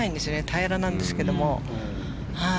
平らなんですけれども。